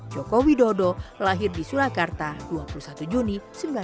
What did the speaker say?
joko widodo lahir di surakarta dua puluh satu juni seribu sembilan ratus enam puluh